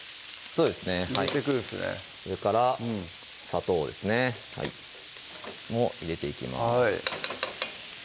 それから砂糖ですねも入れていきます